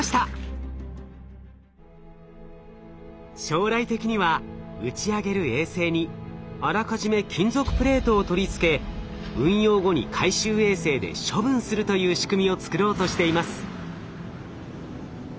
将来的には打ち上げる衛星にあらかじめ金属プレートを取り付け運用後に回収衛星で処分するという仕組みを作ろうとしています。